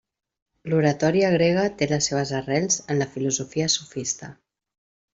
L'oratòria grega té les seves arrels en la filosofia sofista.